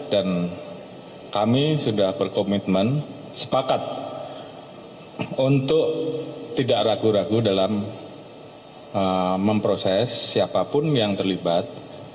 dan kami sudah berkomitmen sepakat untuk tidak ragu ragu dalam memproses siapapun yang terlibat